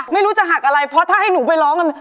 ไม่รู้จะหักอะไรเพราะถ้าให้หนูไปร้องกัน